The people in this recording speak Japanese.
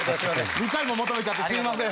２回も求めちゃってすみません